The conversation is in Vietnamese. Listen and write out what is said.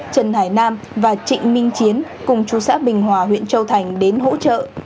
trần hải nam và trịnh minh chiến cùng chú xã bình hòa huyện châu thành đến hỗ trợ